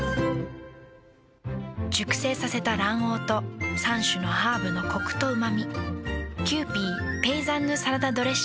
熟成させた卵黄と３種のハーブのコクとうま味。